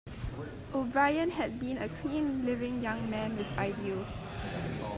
O'Brien had been a clean living young man with ideals.